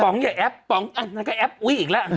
ป๋องอย่าแอปป๋องอันนั้นก็แอปอุ๊ยอีกแล้ว